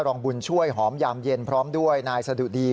รองบุญช่วยหอมยามเย็นพร้อมด้วยนายสะดุดี